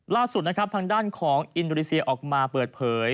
ล่าสุดนะครับทางด้านของอินโดนีเซียออกมาเปิดเผย